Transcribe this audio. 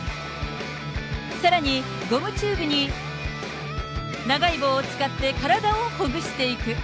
さらに、ゴムチューブに長い棒を使って体をほぐしていく。